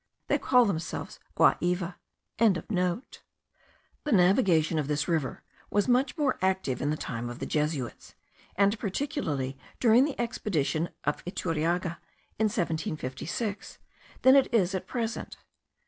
They call themselves Gua iva.) The navigation of this river was much more active in the time of the Jesuits, and particularly during the expedition of Iturriaga, in 1756, than it is at present.